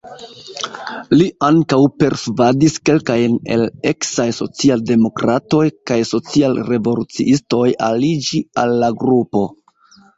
Li ankaŭ persvadis kelkajn el eksaj social-demokratoj kaj social-revoluciistoj aliĝi al la grupo.